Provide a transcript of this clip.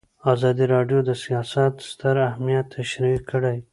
ازادي راډیو د سیاست ستر اهميت تشریح کړی.